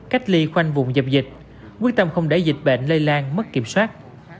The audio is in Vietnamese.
cách ly khoanh vùng dập dịch quyết tâm không để dịch bệnh lây lan mất kiểm soát